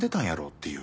っていう。